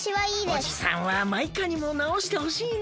おじさんはマイカにもなおしてほしいな。